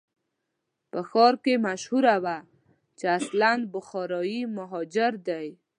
په ښار کې مشهوره وه چې اصلاً بخارایي مهاجر دی.